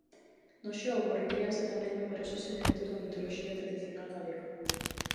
No xogo recréanse tamén numerosos elementos da mitoloxía tradicional galega.